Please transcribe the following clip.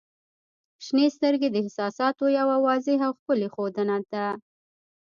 • شنې سترګې د احساساتو یوه واضح او ښکلی ښودنه ده.